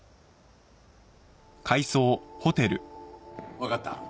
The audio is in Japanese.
分かった。